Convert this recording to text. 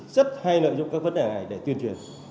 rất hay lợi dụng các vấn đề này để tuyên truyền